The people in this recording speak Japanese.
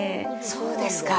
そうですか。